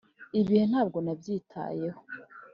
ibihe ntabwo nabyitayeho.